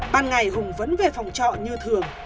ban ngày hùng vẫn về phòng trọ như thường